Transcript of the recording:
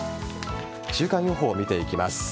週間予報を見ていきます。